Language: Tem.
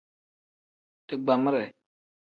Digbamire.